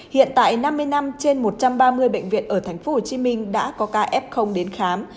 hiện tại năm mươi năm trên một trăm ba mươi bệnh viện ở thành phố hồ chí minh đã có ca f đến khám